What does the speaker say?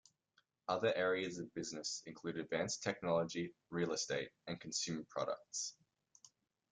Other areas of business include advanced technology, real estate and consumer products.